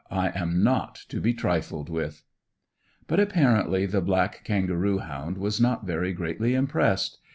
I am not to be trifled with!" But apparently the black kangaroo hound was not very greatly impressed.